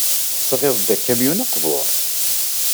Tesɣiḍ-d akamyun aqbur.